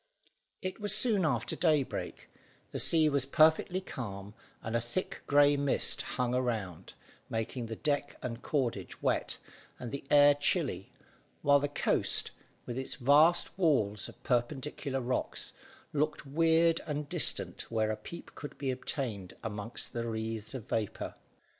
It was soon after daybreak, the sea was perfectly calm and a thick grey mist hung around, making the deck and cordage wet and the air chilly, while the coast, with its vast walls of perpendicular rocks, looked weird and distant where a peep could be obtained amongst the wreaths of vapour.